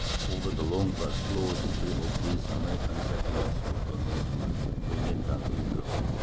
] Over the long but slow history of these American settlements of the Northmen we need not linger.